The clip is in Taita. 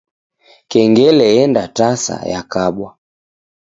Kengele endatasa yakabwa.